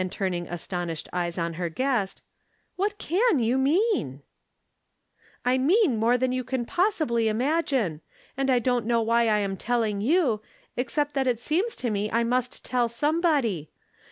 turning astonished eyes on her guest, " what can you mean ?"" I mean more than you can possibly imagine. And I don't know why I am telling you, except that it seems to me I must tell somebody.